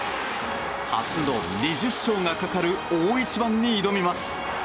初の２０勝がかかる大一番に挑みます。